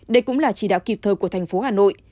đây cũng là chỉ đạo kịp thời của thành phố hà nội